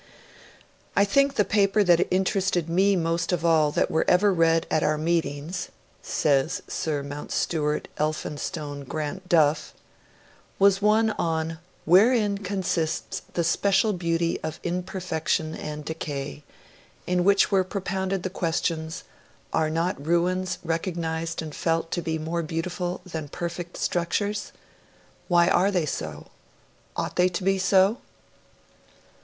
'I think the paper that interested me most of all that were ever read at our meetings,' says Sir Mountstuart Elphinstone Grant Duff, 'was one on "Wherein consists the special beauty of imperfection and decay?" in which were propounded the questions "Are not ruins recognised and felt to be more beautiful than perfect structures? Why are they so? Ought they to be so?'